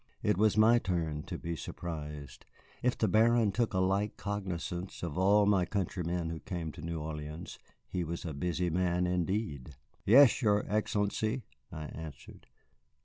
It was my turn to be surprised. If the Baron took a like cognizance of all my countrymen who came to New Orleans, he was a busy man indeed. "Yes, your Excellency," I answered.